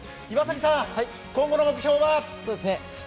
岩崎さん、今後の目標は？